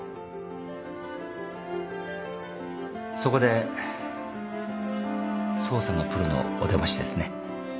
そこで捜査のプロのお出ましですね。